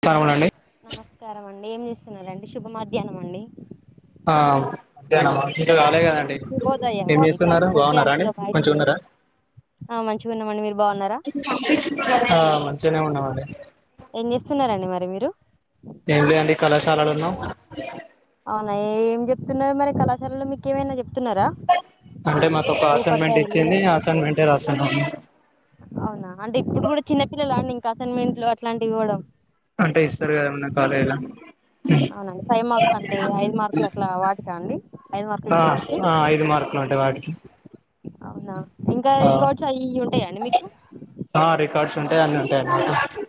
స్థానములండి నమస్కారం అండి ఏం చేస్తున్నారండి శుభ మధ్యాహ్నం అండి ఆ మధ్యాహ్నమా ఇంకా కాలేదు కదండీ శుభోదయం ఏం అండి చేస్తున్నారు కాకపోతే బాగున్నారా అంటే అండి. ఇక బయట మంచిగున్నారా మంచిగున్నామండి మీరు బాగున్నారా ఆ మంచిగానే ఉన్నామండి ఏం చేస్తున్నారండి మరి మీరు ఏం లే అండి కళాశాలలో ఉన్నాము అవే ఏం చెప్తున్నారు మరి కళాశాలలో మీకు ఏమైనా చెప్ అంటే మాకు ఒక అసైన్మెంట్ ఉపాధ్యాయులు ఇచ్చింది అసైన్మెంటే రాశాను అవునా అంటే ఇప్పుడు కూడా చిన్నపిల్లలు అండి ఇంకా అసైన్మెంట్లు అట్లాంటివి ఇవ్వడం అంటే ఇస్తారు కదా ఏమన్న కాలేజీలో అవునండి ఫైవ్ మార్క్స్ అంటే ఐదు మార్కులు అట్లా వాటికా అండి ఐదు మార్కులు ఆ ఉంటాయి వాటికి ఆ ఐదు మార్క్లు అండి వాటికి అవునా ఇంకా ఆ రికార్డ్స్ అయి ఇయ్యి ఉంటాయాండి మీకు ఆ రికార్డ్స్ ఉంటాయి అన్ని ఉంటాయి మాకు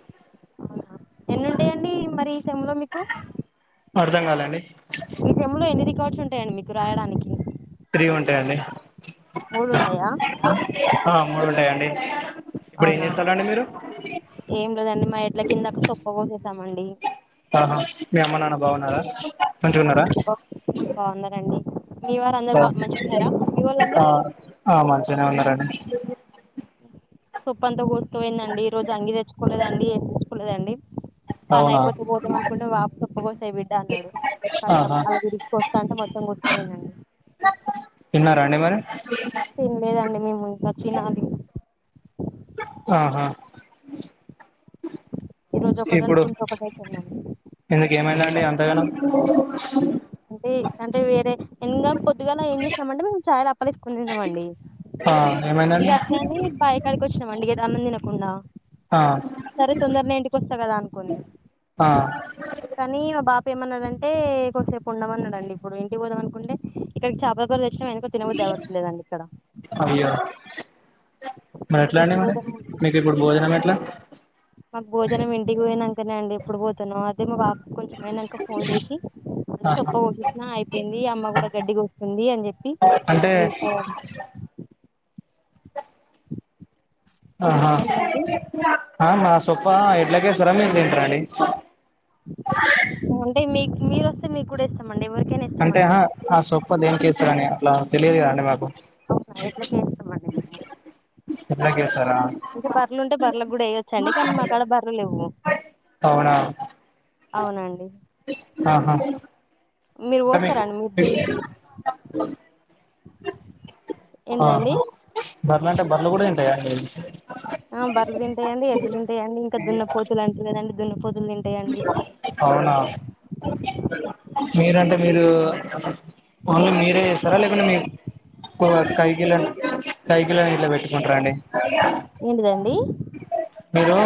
ఎన్నుంటాయండి మరి ఈ సెమ్లో మీకు అర్ధం కాలే అండి ఈ సెమ్ [unintelligible] ఉంటాయండి మీకు రాయడానికి త్రీ ఉంటాయండి మూడు ఉంటాయా ఆ మూడు ఉంటాయండి ఇప్పుడు ఏం అవునా చేస్తాలండి మీరు ఏం లేదండి మా ఇంట్లోకి ఇందాక సొప్ప కోసేసామండి ఆహా మీ అమ్మ, నాన్న బాగున్నారా? మంచిగా ఉన్నారా సొప్ప హ్మ్, బాగున్నారండి మీ వారు అందరు బా మంచిగున్నారా మీ ఆ వాళ్ళందరూ ఆ మంచిగానే ఉన్నారండి సొప్పు అంతా కోసుకుపోయిందండి ఈ రోజు అంగి తెచ్చుకోలేదండి ఏ తెచ్చుకోలేదండి తన అవునా అయిపోతే పోదాం అనుకుంటే వాప తప్పకోసే బిడ్డ అన్నాడు కతం ఆహా అలా తిరిగి కోస్తాంటే మొత్తం కోసుకనిపోయిందండి తిన్నారా అండి మరి తినలేదండి మేము ఇంకా తినాలి వాహా ఈ రోజు ఒకటి ఇప్పుడు అనుకుంటే ఒకటి అయితుందండి ఎందుకు ఏమైందండి ఎంతగానో అంటే అంటే వేరే ఇంకా పొద్దుగాల ఏం చేసినామంటే మేము చాలా అప్పలేసుకుని తిన్నాంమండి ఆ ఇక ఏమైందండి అట్లని బాయ కాడికి వచ్చినామండి ఇగ అన్నం తినకుండా ఆ సరే తొందరనే ఇంటికొస్తా కదా అనుకోలే ఆ కానీ మా బాప ఏమన్నాడంటే కొసేపు ఉండమన్నాడండి ఇప్పుడు ఇంటికి పోదాం అనుకుంటే ఇక్కడి చేపలకూర తె [unintelligible] తినబుద్ది అవ్వట్లేదండి ఇక్కడ అయ్యో మరి ఇంటికి ఎట్లా అండి ఎప్పుడు ఇప్పుడు పోతాను మీకు ఇప్పుడు భోజనం ఎట్లా మాకు భోజనం ఇంటికి పొయినంకనే అండి ఎప్పుడు పోతునో అదే మా కొంచెమైనంక ఫోన్ చేషి ఆహా సొప్పోవు చూసినా అయిపోయింది అమ్మ గుడ గడ్డి కూకింది అని జెప్పి అంటే ఎల్పోన్ ఏంటిదండి ఆహా ఆ సొప్ప ఎడ్లకేసుర మీరు తింటర అండి అంటే మీక్ మీరు వస్తే మీకు కూడా ఏస్తమండి ఎవరికి అంటే ఆ సొప్ప దేనికేసుడని అట్లా తెలియదు కదండి మాకు అవునా ఎడ్లకే ఇస్తామండి మేము తిదండియస్ అంటే బర్లుంటే బర్లకు గుడ ఎయచ్చండి కానీ మా కాడ బర్రలెవ్వు అవునా ఆహా మీరు అతమేది పోస్తారండి మీరు తి ఆ ఏంటిదండి బర్లంటే బర్లు గుడా దింటయా అండి ఆ బర్లు తింటయండి ఎడ్లు తింటయండి ఇంకా దున్న పోతులు అంట్రు కదండి దున్న పోతులు తింటయండి అవునా మీరంటే మీరు ఓన్లీ మీరే చేస్తారా లేకుంటే మీ కో కైగిళన్ కైగిళని ఇట్లా పెట్టుకుంటర అండి ఏంటిదండ్ మీరు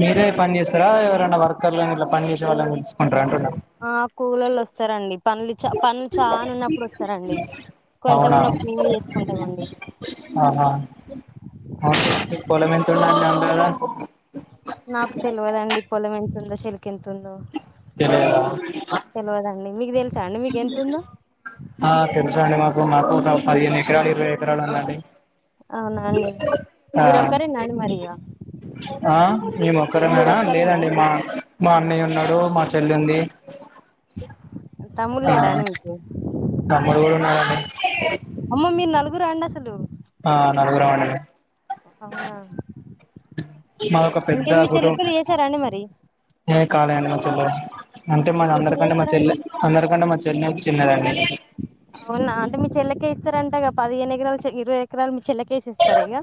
మీరే పని చేస్తారా ఎవరైనా వర్కర్లు ఇట్ల పని చేసే వాళ్ళని పిలుసుకుంటర ఆ కూలొల్లొస్తరండి పనులు చ పనులు చానా ఉన్నప్పుడు వస్తారండి కొంచెం అవునా ఉన్నప్పుడు మేమే చేసుకుంటామండి ఆహా పొలమెంతుంది నాకు తెల్వదండి పొలం ఎంతుందో చెలకెంతుందో తెల్వదా మీద్మీది తెల్ ఆ తెలుసండి మా మాకు పదిహేను ఎకరాలు ఇరవై ఎకరాలు ఉందండి అవునా అండి ఆ మీరు ఒక్కరేనా అండి మరిగ ఆ మేమొక్కరమేనా ఒక్కరేనా లేదండి మా మా అన్నయ్య ఉన్నాడు మా చెల్లుంది తమ్ముడు ఆ లేడా అండి మీకు తమ్ముడు గూడ ఉన్నాడండి అమ్మ మీరు నలుగురా అండి అసలు అదే అవునా మాదొక పెద్ద ఇంకేంది మీ చెల్లి కుటుం పెళ్లి చేసారా అండి మరి ఏ కాలే అండి మా చెల్లె అంటే మా ఎప్పుడు అందరికంటే మా చేస్తారండి చెల్లె అందరికంటే మా చెల్లె చిన్నదండి అవునా అంటే మీ చెల్లకే ఇస్తారంటగా పదిహేను ఎకరాలు ఇరవై ఎకరాలు చెల్లకేసిస్తార ఇగ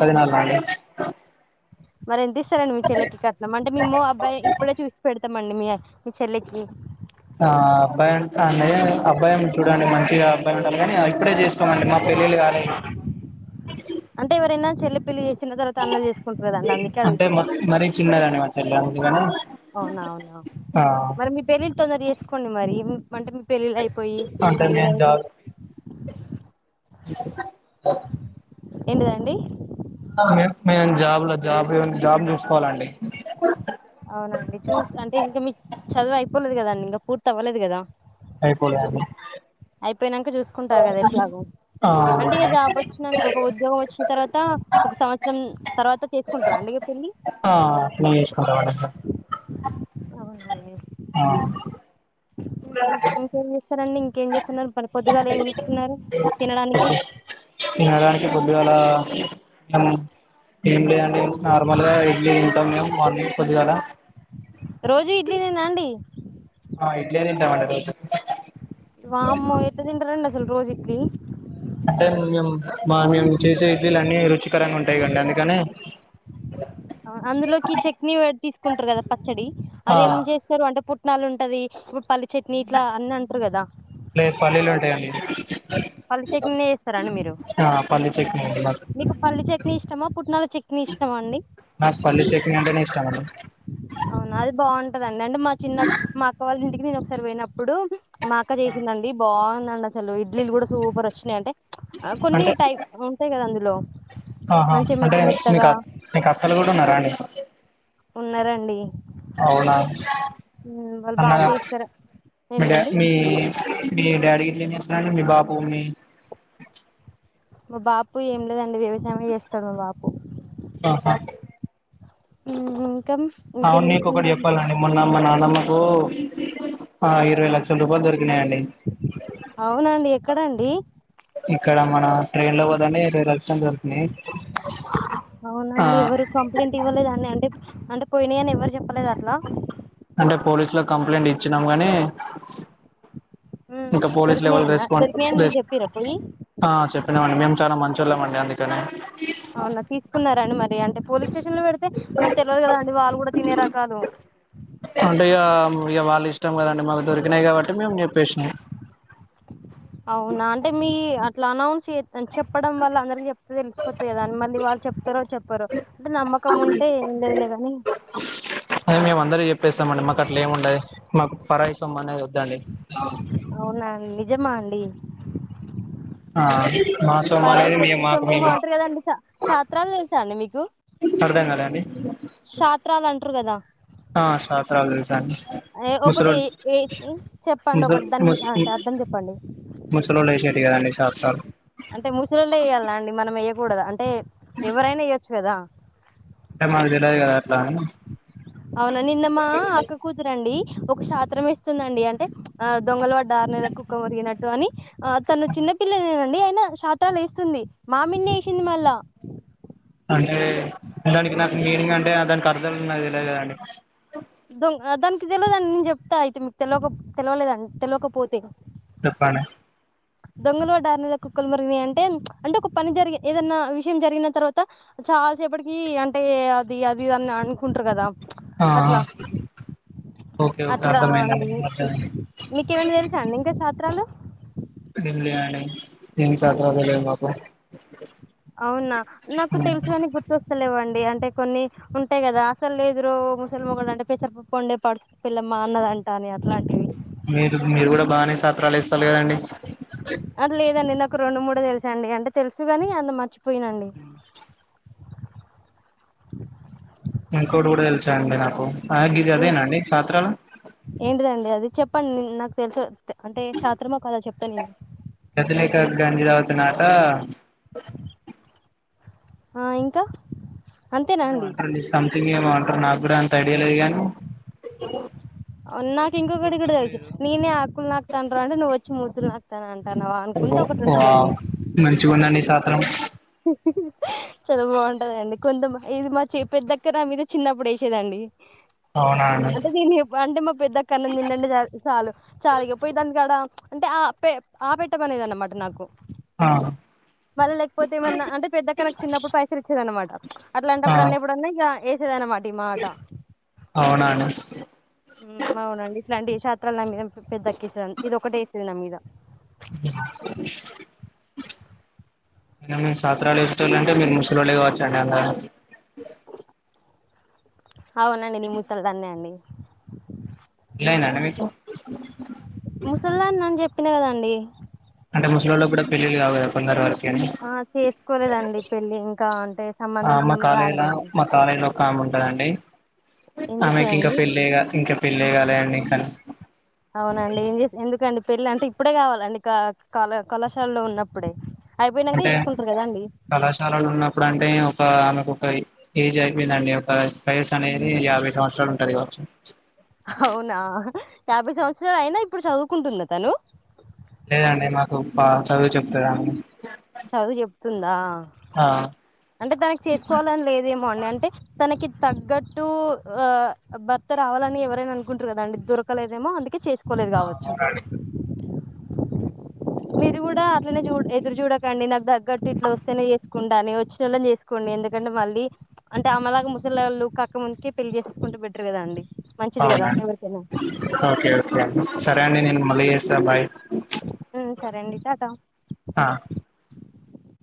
పదినాలాలి మరెంత ఇస్తారండి మీ చెల్లెకి కట్నం అంటే మేమ్ము అబ్బాయి ఇప్పుడే చూసి పెడతం మండి మీయ మీ చెల్లెకి ఆ అబ్బాయి అంటాండి అబ్బాయుంటే చూడండి మంచిగా అబ్బాయి ఉండాలి కాని ఇప్పుడే చేసుకోమండి మా పెళ్ళిళ్లు కాలే అంటే ఎవరైనా చెల్లి పెళ్లి చేసిన తర్వాత అన్న చేసుకుంటారు కదండి అందుకే అంటే అడుగుతున్నా మరీ చిన్నదండి మా చెల్లె అందుకని అవునా అవునా ఆ మరి మీ పెళ్ళిళ్ తొందర చేసుకోండి మరి అంటే మీ పెళ్ళిళ్ళ్ అయిపోయి అంటే అది ఇదై నేను జాబ్ తక్ ఏంటిదండి మేము చేస్తున్న గాని జాబ్ లో జాబు జాబ్ చూసుకోవాలా అండి అవునండి చూస్ అంటే ఇంక మీ చదువు అయిపోలేదు గదండి ఇంకా పూర్తి అవ్వలేదు గదా అయిపోలే. అయిపోయినాక చూసుకుంటారు కదా ఎట్లాగో. ఆ అంటే ఇక జాబ్ వచ్చిన ఒక ఉద్యోగం వచ్చిన తర్వాత ఒక సంవత్సరం తర్వాత తీసుకుంటార అండి. ఏ పల్లి. ఆ నేను తీసుకుంటామండి అట్లా. ఆ. ఓహో ఇంకేం చేస్తారు. సారంండి ఇంకేం చేస్తున్నారు మరె పొద్దుగాల ఏం ఇస్తున్నారు తినడానికి. తినడానికి పొద్దుగాల ఉమ్ ఏం లేదండి. హ్మ్ నార్మల్గా ఇడ్లీ తింటాం మేము మార్నింగ్ పొద్దుగాల. రోజు ఇడ్లీనేనా అండి ఆ ఇడ్లీ తింటామండీ రోజు. వామ్మో అసలు ఎట్లా తింటారండీ రోజు ఇడ్లీ. అంటే మేము మా మేము చేసే ఇడ్లీలు అన్ని రుచికరంగా ఉంటాయి కండి అందుకనె. అందులోకి చట్నీ తీసుకుంటారు కదా పచ్చడి ఆ అది ఏం చేస్తారు అంటే పు. పుట్నాలు ఉంటది ఇప్పుడు పల్లి చట్నీ ఇట్లా అన్ని అంటారు కదా‌. లే పల్లీలు ఉంటాయండి. పల్లి చట్నీ చేస్తారా అండి మీరు. ఆ పల్లీ చట్నీ అండి మాకు మీకు పల్లీ చట్నీ ఇష్టమా పుట్నాల చట్నీ ఇష్టమా అండి. నాకు పల్లి చట్నీ అంటేనే ఇష్టమండి. అవునా అది బాగుంటదండి అంటే మా చిన్న మా అక్క వాళ్ళ ఇంటికి నేను ఒకసారి పోయినప్పుడు. మా అక్క చేసిందండి బాగుందండి అసలు ఇడ్లీలు కూడా సూపర్ వచ్చినాయింటే. కొన్ని అంటే టైప్ ఉంటాయి కదా అందులో‌. ఆహా అంటే మీకు మీకు అక్కలు కూడా ఉన్నారా అండి. ఉన్నారండి అవునా ఉమ్, వాళ్ళు అన్న. బాగా చేస్తారు మంటే ఏంటిదండి మీ మీ. అంటే మీ డాడీ గిట్ల ఏం చేస్తారండి మీ బాపు. మా బాపు ఏం లేదండి వ్యవసాయమే చేస్తాడు మా బాపు. ఆహ. ఉహు. అవు నీకొ ఒకటి చెప్పాలండి మొన్న మా నాన్నమ్మకు ఆ ఇరవై లక్షల రూపాయలు దొరికుంది. అవునండి ఎక్కడండి. ఇక్కడ మన ట్రైన్ లో పోతుంటే రెండు లక్షలు దొరికినాయి. అవునా ఆ అండి ఎవరు కంప్లైంట్ ఇవ్వలేద అంటే పోయినాయి అని ఎవ్వరు చెప్పలేదు అట్లా. అంటే పోలీసు లో కంప్లైంట్ ఇచ్చినాం గానీ. ఉమ్, ఇంకా పోలీస్ లెవెల్ దొరికినాయనా రెస్పాండ్ దొరికినాయని మీరు చెప్పిరా పోయి చెప్పినామండి మేము చాలా మంచి‌. చల్లమండి అందుకని. అవునా తీసుకున్నారాండి మరి అంటే పోలీస్ స్టేషన్ లో పెడితే మరి తెలియదు కదా అండి వాళ్ళు కూడా తినే రకాలు. అంటే ఇక ఇక వాళ్ళు ఇష్టం కదండి మాకు దొరికినాయి కాబట్టి మేము చెప్పేసినాం. అవునా అంటే మీ అట్లా అనౌన్స్. అ చెప్పడం వల్ల అందరికి చెప్తే తెలిసిపోతుంది కదా అని మళ్ళీ వాళ్ళు చెప్తారో చెప్పరు అంటే నమ్మకం ఉంటే. ఉండదులేగని. అ మేము అందర చెప్పేస్తామ అండి మాకు అట్లా ఏము ఉండదు మాకు పరాయసమ్ అనేది వద్దండి. అవునా నిజమా అండి. ఆ. మా సొమ్ము పరాయి అనేది చే మేము సో మాకు మేము మేముమంటారు కదండి ఛత్రాలు తెలుసా అండి మీకు. అర్థం కాలేదు అండి శాత్రాలు అంటారు కదా ఆ శాతరాలు తెలుసండి. ఒకటి ఏ చెప్పండి ఒకటి దాని అంటే అర్థం చెప్పండి. ముసలోడు అయితే అది గానే కాదు. అంటే ముసలోళ్ళే ఎయ్యాలా అండి మనం ఎయ్యకూడదా అంటే ఎవరైనా ఇయ్యొచ్చు కదా‌. అంటే మానకు తెలవదు కదా అట్లా అని. అవునా నిన్నమ్మా అక్క కూతురండి ఒక శషాత్రం ఇస్తుందండి అంటే ఆ దొంగలు వడ్డారునేద కుక్కం మురిగినట్టు అని ఆ తను చిన్నపిల్లనేనండి అయన శషాత్రాలు వేస్తుంది మామిని వేసింది మళ్ళా అంటే దానికి నాకు మీనింగ్ అంటే దానికి అర్థాలున్నా తెలే కదాండి ద దానికి తెలియదుండి నేను చెప్తా అయితే మీకు తెయక తెలియలేదండి తెలియకపోతే చెప్పణ దొంగలుడార్ నెల కుక్కలు మురిగిన అంటే అంటే ఒక పని జరిగి ఏదన్నా విషయం జరిగిన తర్వాత చాలాసేపటికి అంటే అది అది అని అనుకుంటారు కదా ఆ అట్లా ఓకే ఓకే అట్లా అర్థమైందండి అండి అర్థమైంది మీకు ఏమైనా తెలుసా అండి ఇంకా రాత్రాలు ఇలీ అని త సత జ మాకు అవునా నాకు తెలుసుడానికి గుర్తొస్తలేవండి అంటే కొన్ని ఉంటాయి కదా అసలు ఎదురు ముసలిమ కూడా అంటే పేసరపప్పు ఉండే పడుచ పిల్లమ్మా అన్నదా అంటాని అట్లాంటివి మీరు మీరు కూడా బాగానే సత్రాలు ఇస్తారు కదండి అది లేదండి నాకు రెండు మూడు తెలుసా అండి అంటే తెలుసుగాని అంత మర్చిపో పోయినండి ఇంకోటి కూడా తెలిసా అండి నాకు గిది ఏ అదేనాండి పాత్రాలు ఏంటిదండి అది నాకు తెలుసు అంటే శాత్రమ్మకు అలా చెప్తాను నేను కథలేఖ గాంధీద అవుతున్నాట ఆ ఇంకా అంతేనా ఏమ అండి అంటారు నీ సంథింగ్ ఏమో అంటారు నాకు కూడా అంత ఐడియా లేదు గానీ నాకు ఇంకొకటి ఇ కూడాడ గుర్తుకు తెలుసు లేదు నేనే ఆకులు నాకుతాను అంటడి నువ్ వచ్చి మూతులు నాకుతా అంట ఓ వా మంచిగుందండి సాత్రం చాలా బాగుంటదండి కొంత ఇది మా చేపే దగ్గర మీద చిన్నప్పుడు వేసేదండి అవును అంటే దీన్ని అంటే మా పెద్దక్కడన తంంటే చ చాలు చాలుా ఇకపోయ దానికికాడ అంటే ఆ పె ఆ పెట్టమనేది అన్నమాట నాకు ఆ పోతే ఏమన్నా అంటే పెద్ద కనకు చిన్నప్పుడు పైసలు ఇచ్చేద అనమాట అట్లాంటప్పుడు అన్నప్పుడున్నా ఇక వేద అనమాట అవునను అవునండి ఇట్లాంటి షాత్రాల నా మీద పెద్దక్కేస్తుంది ఇదిొ ఒకటే వేసేంది నా మీద మీము సత్రలు వాలంటే మీరు ముసలిళ్ళు కావచ్చ అండి అంద అవునండి నీ ముసల దాన్నే అండి ఇలయిందండి మీకు ముసల్మాాన్ నన్ను చెప్పిన కదాండి అంట ముస్లా లో కూడా పెళ్ళ కా కా కొందరు వారు ఆ చేసుకోలేదండి పెళ్ళి ఇంకా అంటే సంబంధం రాలేదండి కామ్ ఉంటదండి ఏం ఆమెకి ఇంకా చేస్తదండి పెళ్లి ఇంకా పెళ్ళయ కలి అండి ఇంకానీ అవునండి ఏం ఎందుకండి పెళ్ళి అంటే ఇప్పుడే కావాలండి కళ కళాశాలలో ఉన్నప్పుడే అయిపోయినాక అంటే చేసుకుంటారు కదా అండి కళాశాలలు ఉన్నప్పుడు అంటే ఒక ఆమెకు ఒక ఏజ్ అయిపోయిందండి ఒక ఫైస్ అనేది యాభై సంవత్సరాలు ఉంటది కాచ్చు అవునా యాభై సంవత్సరాలు అయినా ఇప్పుడు చదువుకుంటుంద తను లేదండి మాకు చదువు చెప్తారాని చదువు చెప్తుందా ఆ డి అంటే తనకి తగ్గట్టు భర్త రావాలని ఎవరైనా అనుకుంటారు కదాండి దర కలేదేమో అందుకే చేసుకోలేదు ఆ కావచ్చు అవునండి మీరు కూడా అట్లనే చూ ఎదురు చూడకండి. నాకు తగ్గట్టు ఇట్ల వస్తేనే చేసుకుంట అని. వచ్చి నోల్లని చేసుకోండి. ఎందుకంటే, మళ్ళీ అంటే అమ్మలాగ ముసలోళ్ళు కాక ముందుకే పెళ్లి చేసేసుకుంటే బెటరు కదండి. అవునా ఓకే ఓకే అండి. సరే అండి. నేను మళ్ళీ చేస్తా బాయ్ మ్ సరే అండి. టాటా. ఆ